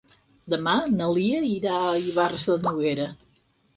Demà na Lia irà a Ivars de Noguera.